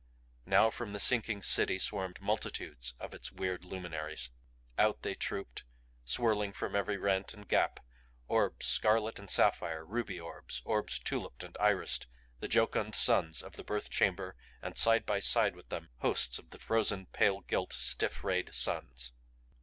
Now from the sinking City swarmed multitudes of its weird luminaries. Out they trooped, swirling from every rent and gap orbs scarlet and sapphire, ruby orbs, orbs tuliped and irised the jocund suns of the birth chamber and side by side with them hosts of the frozen, pale gilt, stiff rayed suns.